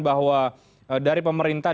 bahwa dari pemerintah